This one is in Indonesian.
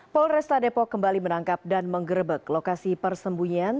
polresta depok kembali menangkap dan menggerebek lokasi persembunyian